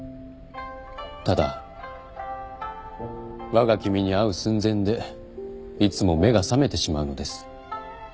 ただわが君に会う寸前でいつも目が覚めてしまうのです。